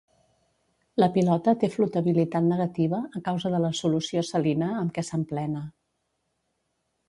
La pilota té flotabilitat negativa a causa de la solució salina amb què s'emplena.